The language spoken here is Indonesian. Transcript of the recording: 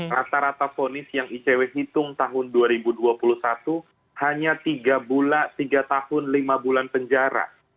rata rata ponis yang icw hitung tahun dua ribu dua puluh satu hanya tiga tahun lima bulan penjara